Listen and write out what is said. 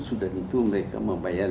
sudah tentu mereka membayar